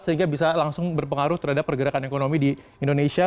sehingga bisa langsung berpengaruh terhadap pergerakan ekonomi di indonesia